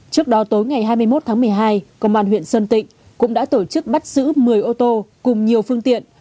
trước đó tối ngày hai mươi một tháng một mươi hai công an huyện sơn tịnh cũng đã tổ chức bắt giữ một mươi ô tô cùng nhiều phương tiện